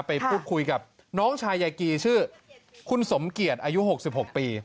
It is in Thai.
ไปพูดคุยกับน้องชายยายกีชื่อคุณสมเกียจอายุ๖๖ปี